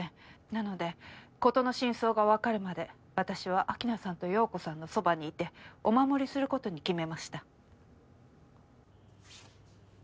なので事の真相がわかるまで私は秋菜さんと葉子さんのそばにいてお守りすることに決めました。